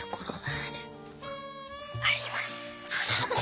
あります。